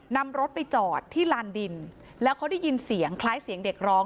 นำรถไปจอดที่ลานดินแล้วเขาได้ยินเสียงคล้ายเสียงเด็กร้อง